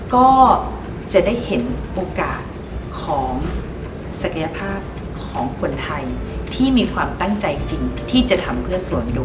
ก็จะได้เห็นโอกาสของศักยภาพของคนไทยที่มีความตั้งใจจริงที่จะทำเพื่อส่วนดู